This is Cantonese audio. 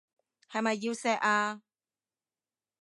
係咪要錫啊？